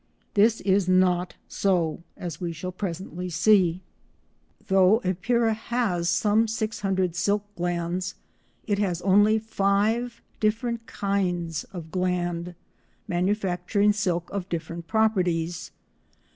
This is not so, as we shall presently see. Though Epeira has some 600 silk glands, it has only five different kinds of gland, manufacturing silk of different properties.